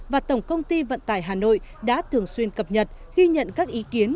và tổng công ty vận tải hà nội đã thường xuyên cập nhật ghi nhận các ý kiến